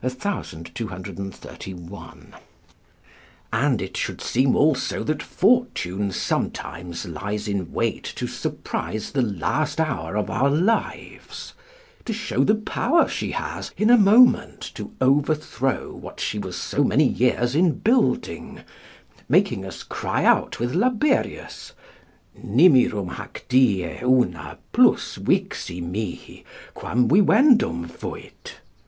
1231.] And it should seem, also, that Fortune sometimes lies in wait to surprise the last hour of our lives, to show the power she has, in a moment, to overthrow what she was so many years in building, making us cry out with Laberius: "Nimirum hac die Una plus vixi mihi, quam vivendum fuit."